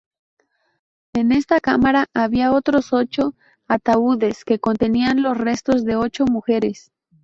En esta cámara había otros ocho ataúdes que contenían los restos de ocho mujeres.